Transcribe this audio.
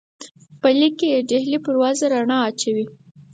په لیک کې د ډهلي پر وضع رڼا اچوي.